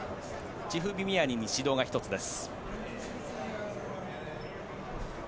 チフビミアニに指導が１つです。